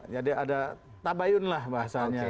jadi ada tabayun lah bahasanya